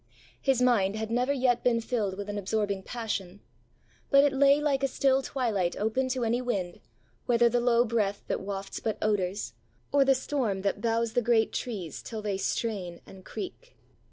His mind had never yet been filled with an absorbing passion; but it lay like a still twilight open to any wind, whether the low breath that wafts but odours, or the storm that bows the great trees till they strain and creak.